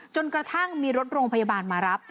จนกระทั่งมีรถโรงพยาบาลมารับ